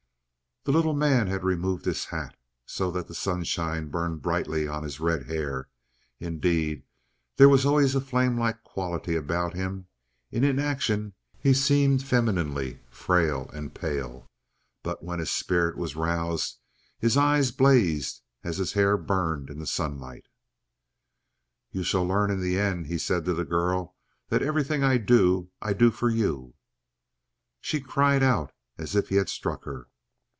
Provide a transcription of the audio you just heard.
The little man had removed his hat, so that the sunshine burned brightly on his red hair. Indeed, there was always a flamelike quality about him. In inaction he seemed femininely frail and pale; but when his spirit was roused his eyes blazed as his hair burned in the sunlight. "You shall learn in the end," he said to the girl, "that everything I do, I do for you." She cried out as if he had struck her.